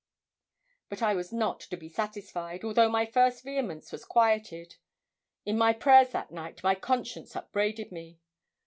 But I was not to be satisfied, although my first vehemence was quieted. In my prayers that night my conscience upbraided me.